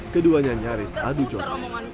keduanya nyaris adu jauh